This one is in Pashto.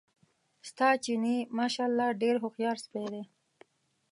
ستا چیني ماشاءالله ډېر هوښیار سپی دی.